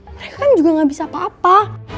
mereka kan juga gak bisa apa apa